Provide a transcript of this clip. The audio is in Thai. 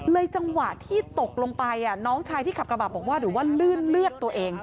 จังหวะที่ตกลงไปน้องชายที่ขับกระบะบอกว่าหรือว่าลื่นเลือดตัวเอง